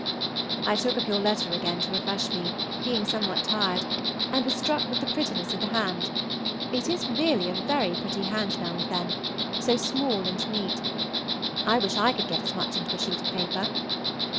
I took up your letter again to refresh me, being somewhat tired, and was struck with the prettiness of the hand: it is really a very pretty hand now and then, so small and so neat! I wish I could get as much into a sheet of paper.